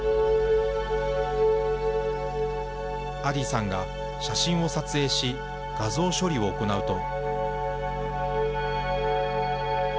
アディさんが写真を撮影し画像処理を行うと。